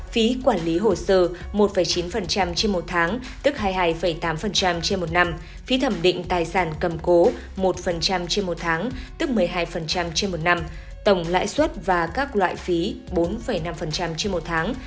phí quản lý hồ sơ một chín trên một tháng tức hai mươi hai tám trên một năm phí thẩm định tài sản cầm cố một trên một tháng tức một mươi hai trên một năm tổng lãi suất và các loại phí bốn năm trên một tháng